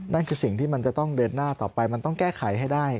นั่นคือสิ่งที่มันจะต้องเดินหน้าต่อไปมันต้องแก้ไขให้ได้